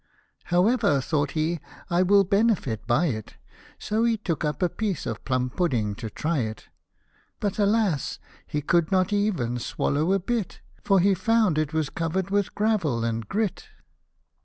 " However, thought he, " I will benefit by it ; So he took up a piece of plum pudding to try it ; But, alas, he could not even swallow a bit, For he found it was covered with gravel and grit.